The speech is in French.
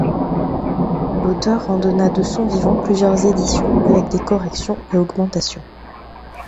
L'auteur en donna de son vivant plusieurs éditions avec des corrections et augmentations.